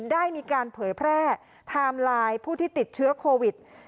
ได้มีการเผยแพร่ไทม์ไลน์ผู้ที่ติดเชื้อโควิด